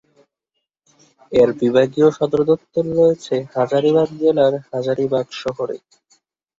এর বিভাগীয় সদর দপ্তর রয়েছে হাজারিবাগ জেলার হাজারিবাগ শহরে।